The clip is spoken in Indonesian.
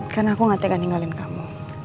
karena aku gak tegan tinggalin kamu